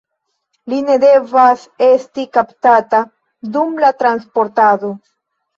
Li ne devas esti kaptata dum la transportado.